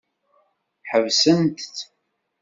Ḥebsent-t.